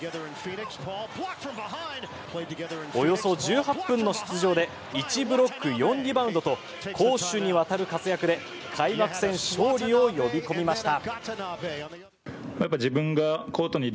およそ１８分の出場で１ブロック４リバウンドと攻守にわたる活躍で開幕戦、勝利を呼び込みました。